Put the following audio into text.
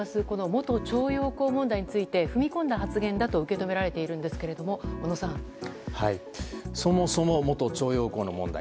元徴用工問題について踏み込んだ発言だと受け止められているんですけれどもそもそも元徴用工の問題。